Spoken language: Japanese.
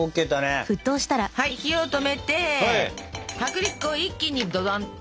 はい火を止めて薄力粉を一気にドドンと！